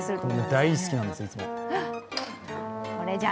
大好きなんですよ、いつもは。